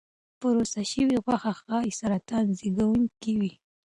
پروسس شوې غوښې ښایي سرطان زېږونکي وي.